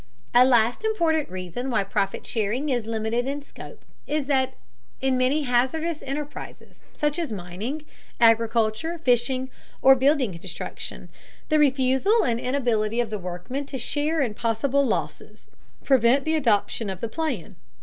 A last important reason why profit sharing is limited in scope is that in many hazardous enterprises, such as mining, agriculture, fishing, or building construction, the refusal and inability of the workmen to share in possible losses prevent the adoption of the plan.